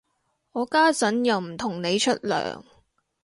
我家陣又唔同你出糧